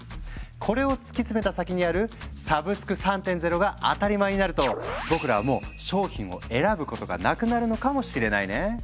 これを突き詰めた先にある「サブスク３．０」が当たり前になると僕らはもう商品を選ぶことがなくなるのかもしれないね。